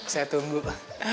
saya tunggu pak